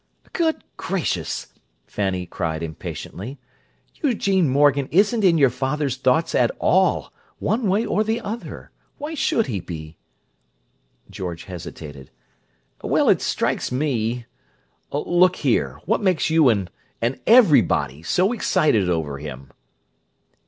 "Good gracious!" Fanny cried impatiently. "Eugene Morgan isn't in your father's thoughts at all, one way or the other. Why should he be?" George hesitated. "Well—it strikes me—Look here, what makes you and—and everybody—so excited over him?"